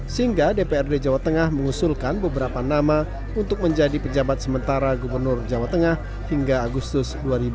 sehingga dprd jawa tengah mengusulkan beberapa nama untuk menjadi pejabat sementara gubernur jawa tengah hingga agustus dua ribu dua puluh